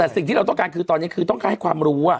แต่สิ่งที่เราต้องการคือตอนนี้คือต้องการให้ความรู้